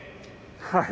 はい。